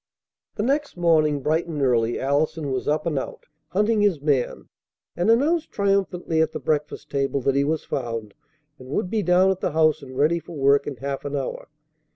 The next morning bright and early Allison was up and out, hunting his man, and announced triumphantly at the breakfast table that he was found and would be down at the house and ready for work in half an hour.